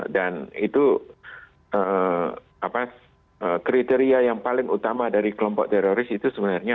dan itu kriteria yang paling utama dari kelompok teroris itu sebenarnya